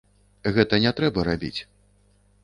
Гэта не трэба рабіць.